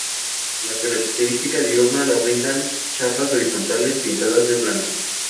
La característica diurna la brindan chapas horizontales pintadas de blanco.